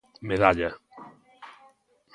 Medalla.